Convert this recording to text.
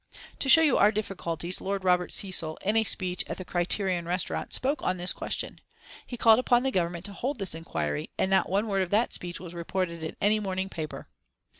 To show you our difficulties, Lord Robert Cecil, in a speech at the Criterion Restaurant, spoke on this question. He called upon the Government to hold this inquiry, and not one word of that speech was reported in any morning paper.